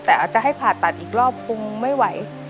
แต่อาจจะให้ผ่าตัดอีกรอบคงไม่ไหว